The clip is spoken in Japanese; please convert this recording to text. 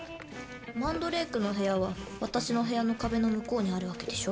マンドレークの部屋は私の部屋の壁の向こうにあるわけでしょ。